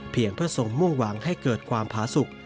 เพียงเพื่อส่งมั่วหวังให้เกิดความผาสุข